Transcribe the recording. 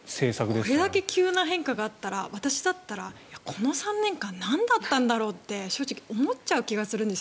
これだけ急な変化があったら、私だったらこの３年間なんだったんだろうって正直思うと思うんです。